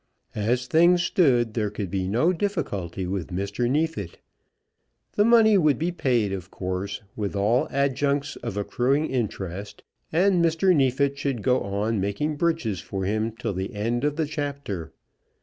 As things stood there could be no difficulty with Mr. Neefit. The money would be paid, of course, with all adjuncts of accruing interest, and Mr. Neefit should go on making breeches for him to the end of the chapter.